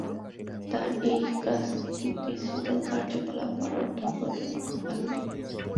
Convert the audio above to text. তার এই ত্রাসমিশ্রিত কার্যকলাপ আর অন্ধ ক্রোধ আমার খুব ভালো লাগে।